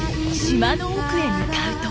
島の奥へ向かうと。